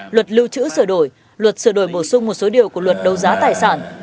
luật lưu trữ sửa đổi luật sửa đổi bổ sung một số điều của luật đấu giá tài sản